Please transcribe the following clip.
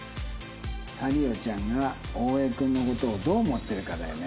サリオちゃんが大江君の事をどう思ってるかだよね。